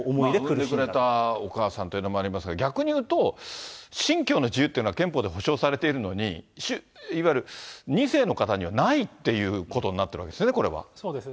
産んでくれたお母さんというのもありますけど、逆に言うと、信教の自由というのは憲法で保証されているのに、いわゆる２世の方にはないっていうことになってるわけですよね、そうです。